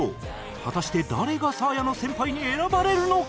果たして誰がサーヤの先輩に選ばれるのか？